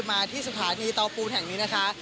มาที่สถานีเตาปูนแห่งนี้นะคะ